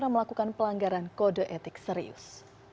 melakukan pelanggaran kode etik serius